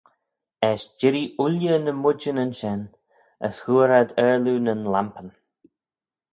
Eisht dirree ooilley ny moidjynyn shen, as hooar ad aarloo nyn lampyn.